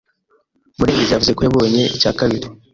Murengezi yavuze ko yabonye icyakabiri